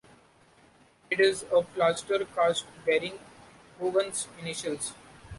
It is a plaster cast, bearing Hogan's initials.